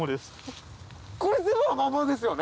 これ全部アマモですよね？